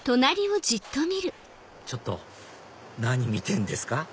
ちょっと何見てんですか？